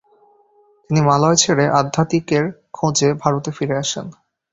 তিনি মালয় ছেড়ে, আধ্যাত্মিকের খোঁজে ভারতে ফিরে আসেন।